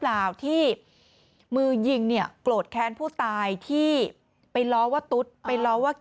ที่มือยิงเนี่ยโกรธแค้นผู้ตายที่ไปล้อว่าตุ๊ดไปล้อว่า